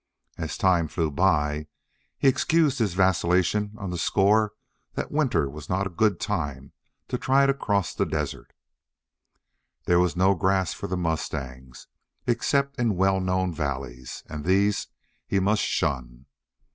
As time flew by he excused his vacillation on the score that winter was not a good time to try to cross the desert. There was no grass for the mustangs, except in well known valleys, and these he must shun.